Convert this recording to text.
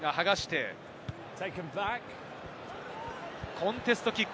コンテストキック。